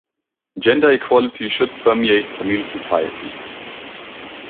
Gender equality should permeate Tamil society.